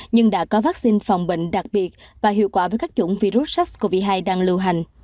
nhưng đã có vaccine phòng bệnh đặc biệt và hiệu quả với các chủng virus sars cov hai đang lưu hành